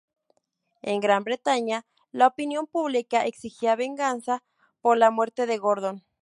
En Gran Bretaña, la opinión pública exigía venganza por la muerte de Gordon.